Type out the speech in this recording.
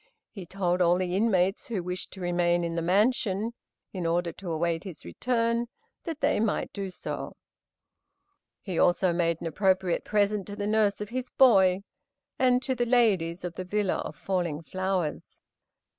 He told all the inmates who wished to remain in the mansion, in order to await his return, that they might do so. He also made an appropriate present to the nurse of his boy, and to the ladies of the "Villa of Falling Flowers."